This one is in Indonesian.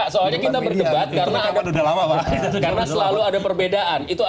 soalnya kita berdebat karena selalu ada perbedaan